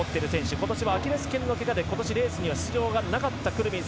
今年はアキレスけんのけがでレース出場がなかったクルミンス。